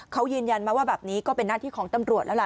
เขายืนยันมาว่าแบบนี้ก็เป็นหน้าที่ของตำรวจแล้วล่ะ